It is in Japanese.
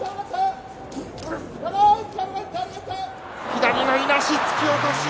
左のいなし、突き落とし。